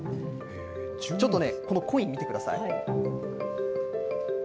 ちょっとね、このコイン見てください。